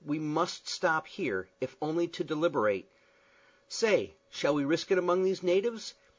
We must stop here, if only to deliberate. Say, shall we risk it among these natives?